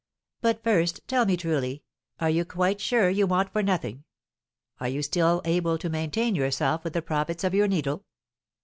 "But first tell me truly, are you quite sure you want for nothing? Are you still able to maintain yourself with the profits of your needle?"